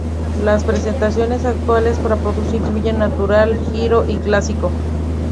Las presentaciones actuales para productos incluyen "Natural", "Giro" y "Clásico".